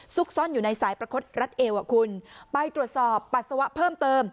ซ่อนอยู่ในสายประคดรัดเอวอ่ะคุณไปตรวจสอบปัสสาวะเพิ่มเติม